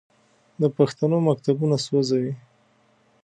د پښتنو مکتبونه سوځوي.